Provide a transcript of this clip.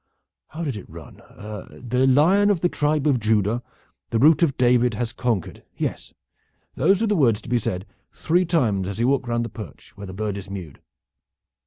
How did it run? 'The lion of the Tribe of Judah, the root of David, has conquered.' Yes, those were the words to be said three times as you walk round the perch where the bird is mewed."